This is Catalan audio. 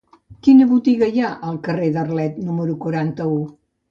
Quina botiga hi ha al carrer d'Arlet número quaranta-u?